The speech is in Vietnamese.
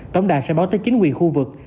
tổng đại sẽ báo tới chính quyền khu vực